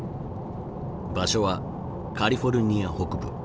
場所はカリフォルニア北部。